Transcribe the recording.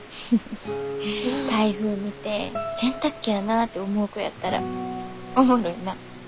台風見て洗濯機やなって思う子やったらおもろいな。